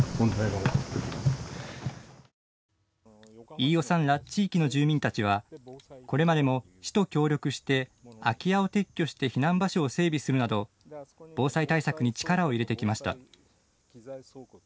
飯尾さんら地域の住民たちはこれまでも市と協力して空き家を撤去して避難場所を整備するなど防災対策に力を入れてきました。